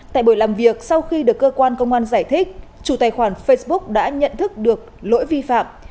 tại buổi làm việc sau khi được cơ quan công an giải thích chủ tài khoản facebook đã nhận thức được lỗi vi phạm